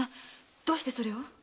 どうしてそれを？